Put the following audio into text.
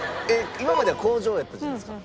今までは工場やったじゃないですか。